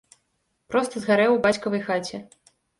Проста згарэў у бацькавай хаце.